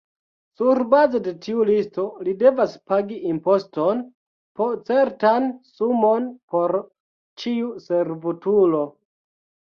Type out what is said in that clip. Surbaze de tiu listo, li devas pagi imposton, po certan sumon por ĉiu servutulo.